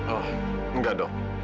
oh enggak dok